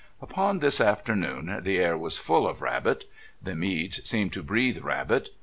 Upon this afternoon the air was full of Rabbit. The Meads seemed to breathe Rabbit.